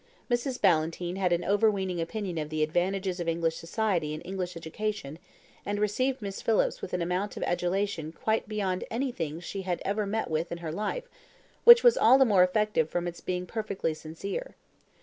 Mrs. Ballantyne had an overweening opinion of the advantages of English society and English education, and received Miss Phillips with an amount of adulation quite beyond anything she had ever met with in her life; which was all the more effective from its being perfectly sincere.